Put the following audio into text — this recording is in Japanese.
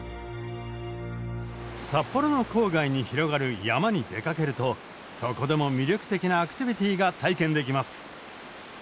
札幌の郊外に広がる山に出かけるとそこでも魅力的なアクティビティーが体験できます。